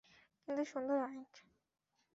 কিন্তু সুন্দর অনেক!